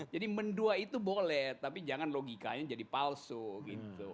jadi mendua itu boleh tapi jangan logikanya jadi palsu gitu